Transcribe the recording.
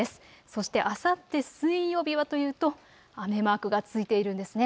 そしてあさって水曜日はというと雨マークがついているんですね。